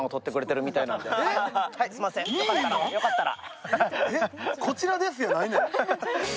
よかったら。